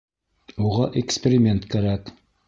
Уға эксперимент кәрәк.